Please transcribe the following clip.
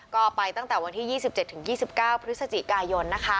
ก็ไปตั้งแต่วันที่๒๗๒๙พฤศจิกายน